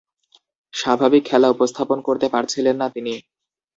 স্বাভাবিক খেলা উপস্থাপন করতে পারছিলেন না তিনি।